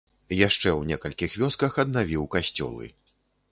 Яшчэ ў некалькіх вёсках аднавіў касцёлы.